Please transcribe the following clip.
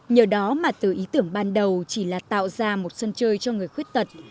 nhờ đó mà từ ý tưởng ban đầu chỉ là tạo ra một sân chơi cho người khuyết tật